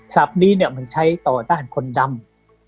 ทรัพย์นี้เนี่ยมันใช้ต่อต้านคนดำ